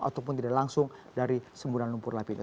ataupun tidak langsung dari semburan lumpur lapindo